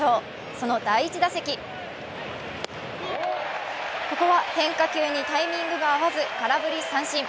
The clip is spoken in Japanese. その第１打席、ここは変化球にタイミングが合わず空振り三振。